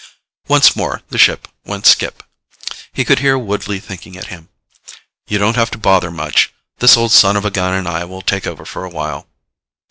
Once more the ship went skip. He could hear Woodley thinking at him. "You don't have to bother much. This old son of a gun and I will take over for a while."